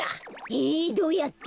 えどうやって？